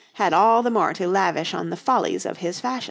had all the more to lavish on the follies of his fashions.